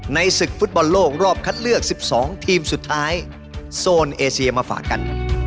ศึกฟุตบอลโลกรอบคัดเลือก๑๒ทีมสุดท้ายโซนเอเซียมาฝากกัน